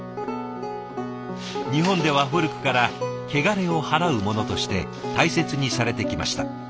日本では古くから汚れをはらうものとして大切にされてきました。